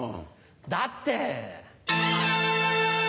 だって。